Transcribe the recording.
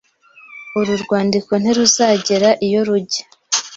Uru rwandiko ntiruzagera iyo rujya.